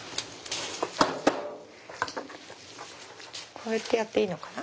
こうやってやっていいのかな？